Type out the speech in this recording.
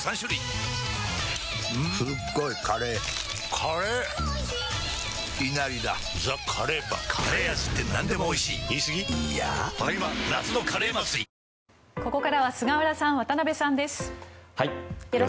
ここからは菅原さん、渡辺さんです。